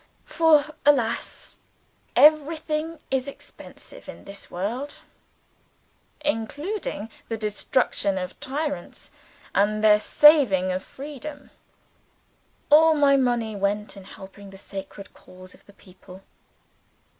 For, alas! everything is expensive in this world; including the destruction of tyrants and the saving of Freedom. All my money went in helping the sacred cause of the people.